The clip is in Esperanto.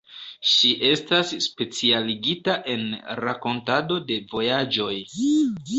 Ŝi estas specialigita en rakontado de vojaĝoj.